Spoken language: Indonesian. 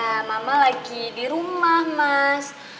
ya mama lagi dirumah mas